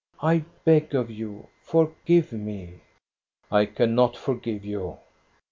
I beg of you, forgive me !"I cannot forgive you."